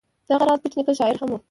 دغه راز بېټ نیکه شاعر هم و.